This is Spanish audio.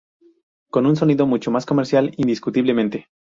Con un sonido mucho más comercial indiscutiblemente.